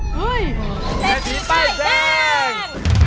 เฮ้ยเวทีป้ายแดง